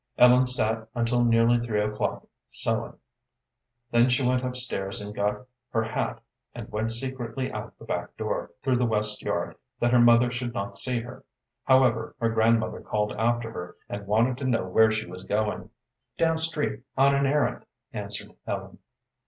Ellen sat until nearly three o'clock sewing. Then she went up stairs and got her hat, and went secretly out of the back door, through the west yard, that her mother should not see her. However, her grandmother called after her, and wanted to know where she was going. "Down street, on an errand," answered Ellen.